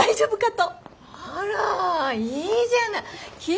あらいいじゃない。